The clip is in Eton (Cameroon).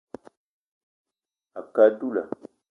A kə á dula